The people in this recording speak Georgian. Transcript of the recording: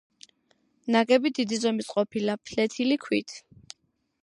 ნაგები დიდი ზომის ყოფილა, ფლეთილი ქვით.